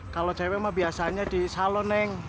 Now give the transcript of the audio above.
kalau cewek emang biasanya di salon neng